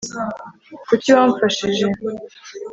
kuki wamfashije